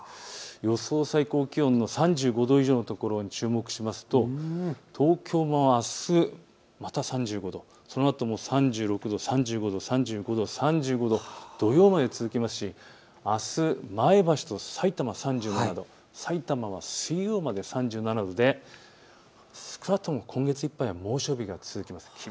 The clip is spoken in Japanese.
予想最高気温、３５度以上の所に注目しますと東京もあす、また３５度、そのあとも３６度、３５度、３５度、３５度、土曜まで続きますし、あす前橋とさいたま３７度、さいたまは水曜まで３７度で、少なくとも今月いっぱいは猛暑日が続きます。